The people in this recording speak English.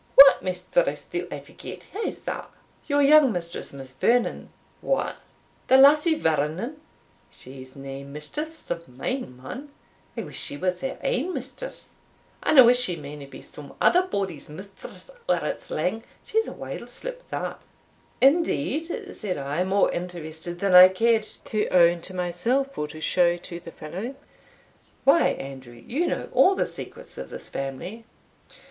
"What mistress do I forget? whae's that?" "Your young mistress, Miss Vernon." "What! the lassie Vernon? She's nae mistress o' mine, man. I wish she was her ain mistress; and I wish she mayna be some other body's mistress or it's lang She's a wild slip that." "Indeed!" said I, more interested than I cared to own to myself, or to show to the fellow "why, Andrew, you know all the secrets of this family."